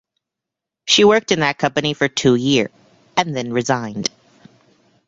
She worked in that company for two year and then resigned.